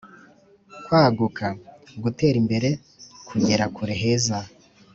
kwaguka: gutera imbere, kugera kure heza